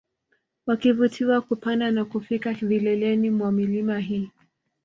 Wakivutiwa kupanda na kufika vileleni mwa milima hii